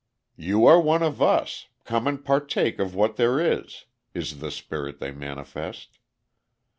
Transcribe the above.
"You are one of us. Come and partake of what there is!" is the spirit they manifest.